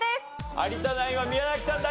有田ナインは宮崎さんだけ。